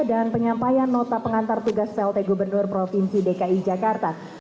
dan penyampaian nota pengantar tugas dari gubernur provinsi dki jakarta